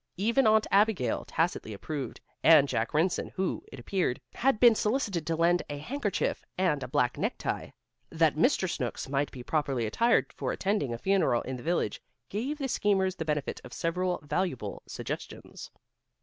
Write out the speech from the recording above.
Even Aunt Abigail tacitly approved, and Jack Rynson, who, it appeared, had been solicited to lend a handkerchief and a black necktie, that Mr. Snooks might be properly attired for attending a funeral in the village, gave the schemers the benefit of several valuable suggestions.